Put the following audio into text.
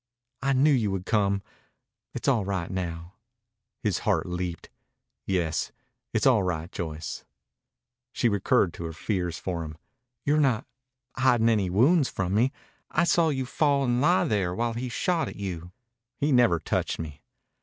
"I knew you would come. It's all right now." His heart leaped. "Yes, it's all right, Joyce." She recurred to her fears for him. "You're not ... hiding any wounds from me? I saw you fall and lie there while he shot at you." "He never touched me."